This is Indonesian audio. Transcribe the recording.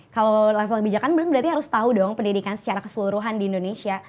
kalau level bijakan berarti harus tahu dong pendidikan secara keseluruhan di indonesia